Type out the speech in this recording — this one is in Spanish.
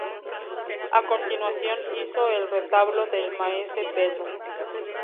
A continuación hizo '"El retablo del maese Pedro".